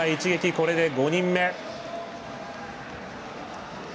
これで５人目。